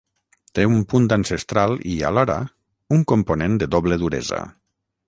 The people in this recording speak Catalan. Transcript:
Té un punt ancestral i, alhora, un component de doble duresa.